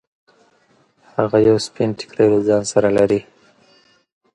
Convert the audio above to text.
هغه یو سپین ټیکری له ځان سره لري.